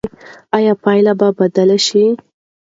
ایا پایله به بدله شي؟